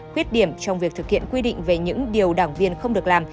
khuyết điểm trong việc thực hiện quy định về những điều đảng viên không được làm